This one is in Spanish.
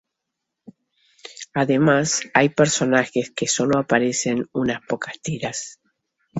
Además, hay personajes que solo aparecen unas pocas tiras.